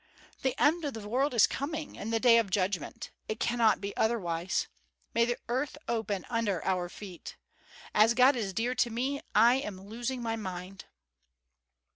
The end of the world is coming, and the day of judgment; it cannot be otherwise! May the earth open under our feet! As God is dear to me, I am losing my mind!"